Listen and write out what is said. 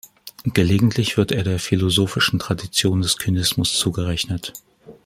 Gelegentlich wird er der philosophischen Tradition des Kynismus zugerechnet.